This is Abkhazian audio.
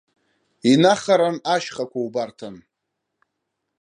Инахаран ашьхақәа убарҭан.